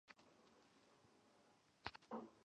大量生产的啤酒在北韩很常见。